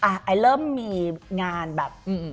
ไอเริ่มมีงานแบบ